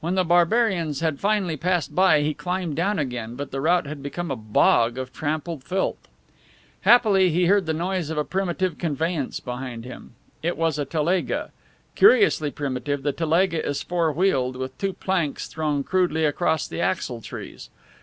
When the barbarians had finally passed by he climbed down again, but the route had become a bog of trampled filth. Happily, he heard the noise of a primitive conveyance behind him. It was a telega. Curiously primitive, the telega is four wheeled, with two planks thrown crudely across the axle trees.